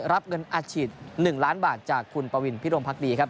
รับเงินอัดฉีด๑ล้านบาทจากคุณปวินพิรมพักดีครับ